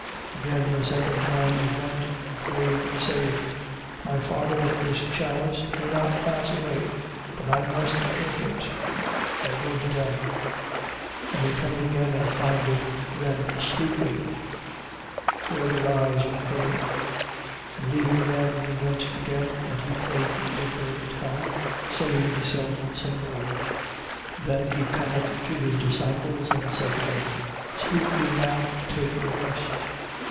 26:42. Again the second time, he went and prayed, saying: My Father, if this chalice may not pass away, but I must drink it, thy will be done. 26:43. And he cometh again and findeth them sleeping: for their eyes were heavy. 26:44. And leaving them, he went again: and he prayed the third time, saying the selfsame word. 26:45. Then he cometh to his disciples and said to them: Sleep ye now and take your rest.